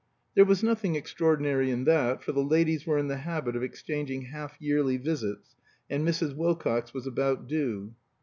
There was nothing extraordinary in that, for the ladies were in the habit of exchanging half yearly visits, and Mrs. Wilcox was about due.